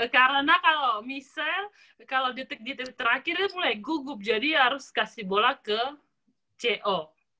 karena kalau michelle kalau detik detik terakhir dia mulai gugup jadi harus kasih bola ke co